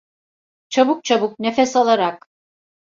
Çabuk çabuk nefes alarak.